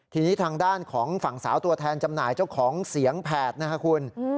ทีนี้ทางด้านของฝั่งสาวตัวแทนจำหน่ายเจ้าของเสียงแผดนะครับคุณ